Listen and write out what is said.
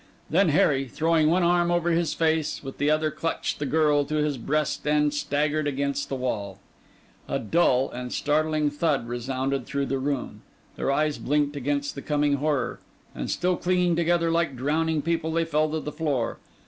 Then Harry, throwing one arm over his face, with the other clutched the girl to his breast and staggered against the wall. A dull and startling thud resounded through the room; their eyes blinked against the coming horror; and still clinging together like drowning people, they fell to the floor.